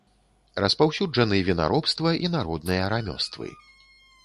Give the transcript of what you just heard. Распаўсюджаны вінаробства і народныя рамёствы.